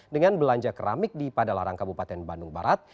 dengan belanja keramik di padalarang kabupaten bandung barat